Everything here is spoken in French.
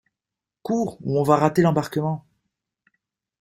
Cours ou on va rater l'embarquement!